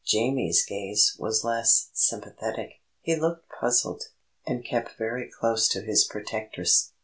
Jamie's gaze was less sympathetic; he looked puzzled, and kept very close to his protectress.